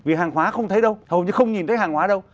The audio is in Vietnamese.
vì hàng hóa không thấy đâu hầu như không nhìn thấy hàng hóa đâu